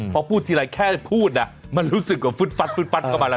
พอพูดทีไรแค่พูดมันรู้สึกว่าฟึดฟัดฟึดเข้ามาแล้ว